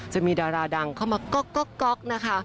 จะมีดาราดังเข้ามาก๊อกนะคะ